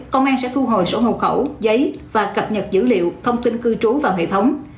công an sẽ thu hồi sổ hộ khẩu giấy và cập nhật dữ liệu thông tin cư trú vào hệ thống